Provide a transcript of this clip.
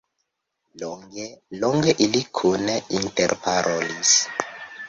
Longe, longe ili kune interparolis.